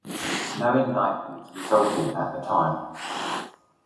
No indictments resulted at the time.